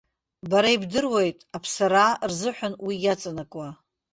Бара ибдыруеит, аԥсараа рзыҳәан уи иаҵанакуа.